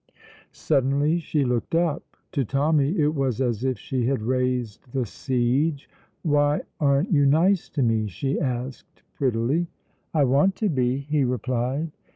Suddenly she looked up. To Tommy it was as if she had raised the siege. "Why aren't you nice to me?" she asked prettily. "I want to be," he replied.